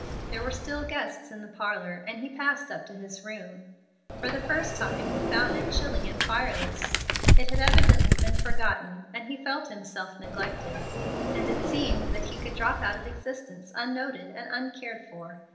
There were still guests in the parlor, and he passed up to his room. For the first time he found it chilly and fireless. It had evidently been forgotten, and he felt himself neglected; and it seemed that he could drop out of existence unnoted and uncared for.